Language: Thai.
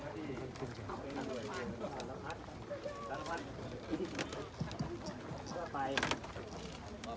สวัสดีครับทุกคน